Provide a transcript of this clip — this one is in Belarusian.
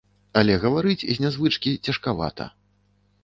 Але гаварыць з нязвычкі цяжкавата.